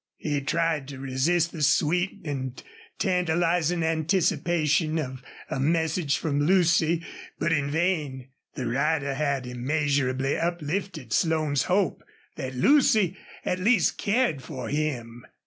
He tried to resist the sweet and tantalizing anticipation of a message from Lucy, but in vain. The rider had immeasurably uplifted Slone's hope that Lucy, at least, cared for him.